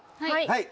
はい。